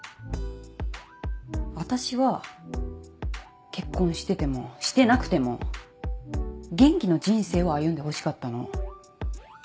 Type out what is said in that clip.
私は結婚しててもしてなくても元気の人生を歩んでほしかったの。